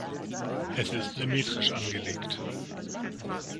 Es ist symmetrisch angelegt.